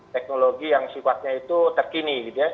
teknologi yang sifatnya itu terkini gitu ya